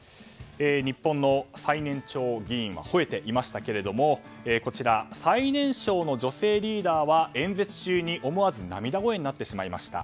日本の最年長議員吠えていましたけれどこちら、最年少の女性リーダーは演説中に思わず涙声になってしまいました。